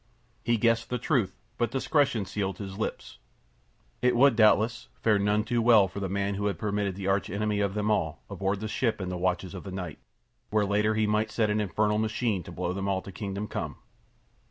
He guessed the truth; but discretion sealed his lips. It would, doubtless, fare none too well for the man who had permitted the arch enemy of them all aboard the ship in the watches of the night, where later he might set an infernal machine to blow them all to kingdom come.